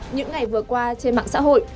những ngày vừa qua trên mạng xã hội